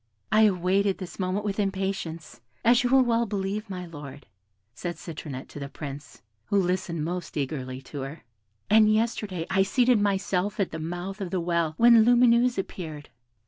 "I awaited this moment with impatience, as you will well believe, my Lord," said Citronette to the Prince, who listened most eagerly to her; "and yesterday I seated myself at the mouth of the well, when Lumineuse appeared.